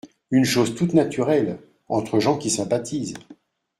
Une chose toute naturelle… entre gens qui sympathisent…